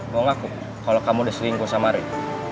mau ngaku kalo kamu udah selingkuh sama rey